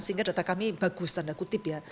sehingga data kami bagus tanda kutip ya